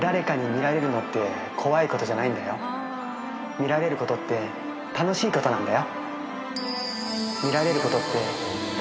見られることって楽しいことなんだよ